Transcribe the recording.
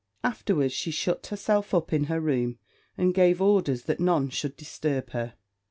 Afterwards she shut herself up in her room, and gave orders that none should disturb her.